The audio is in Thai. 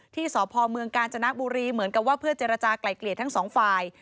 ที่สพเมืองกาญจนบุรีเหมือนกับว่าเพื่อเจรจากลายเกลี่ยทั้งสองฝ่าย